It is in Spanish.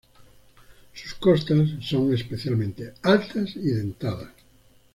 Sus costas son especialmente altas y dentadas.